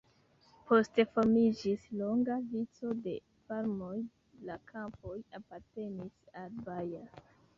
Poste formiĝis longa vico de farmoj, la kampoj apartenis al Baja.